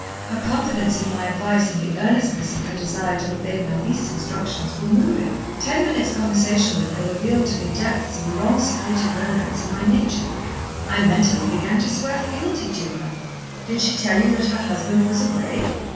Her confidence in my advice and the earnestness of her desire to obey my least instructions were moving. Ten minutes' conversation with her revealed to me depths of long secreted romance in my nature. I mentally began to swear fealty to her." "Did she tell you that her husband was away?"